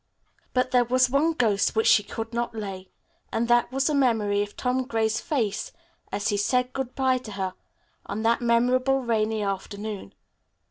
But there was one ghost which she could not lay, and that was the the memory of Tom Gray's face as he said good bye to her on that memorable rainy afternoon.